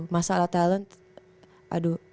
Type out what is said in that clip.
masalah talent aduh